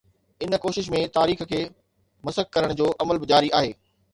ان ڪوشش ۾ تاريخ کي مسخ ڪرڻ جو عمل به جاري آهي.